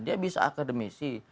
dia bisa akademisi